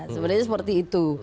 sebenarnya seperti itu